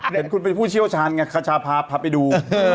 เห็นคุณเป็นผู้เชี่ยวชาญไงคชาพาพาไปดู